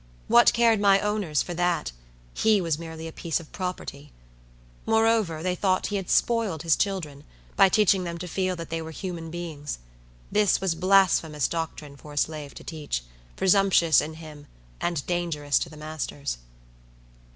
What cared my owners for that? he was merely a piece of property. Moreover, they thought he had spoiled his children, by teaching them to feel that they were human beings. This was blasphemous doctrine for a slave to teach; presumptuous in him, and dangerous to the masters.